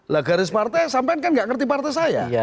lah garis partai sampai kan gak ngerti partai saya